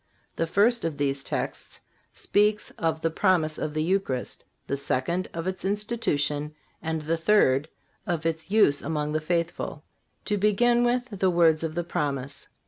The first of these texts speaks of the promise of the Eucharist, the second of its institution and the third of its use among the faithful. To begin with the words of the promise.